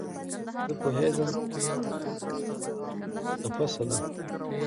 زه پوهېږم چې څپه څه ده.